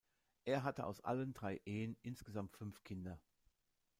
Er hatte aus allen drei Ehen insgesamt fünf Kinder.